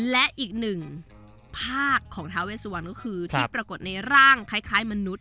และอีกหนึ่งภาคของท้าเวสวันก็คือที่ปรากฏในร่างคล้ายมนุษย